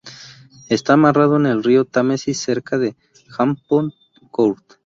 Está amarrado en el río Támesis cerca de Hampton Court.